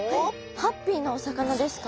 ハッピーなお魚ですか。